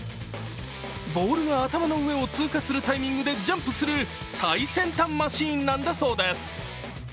ボールが頭の上を通過するタイミングでジャンプする最先端マシーンなんだそうです。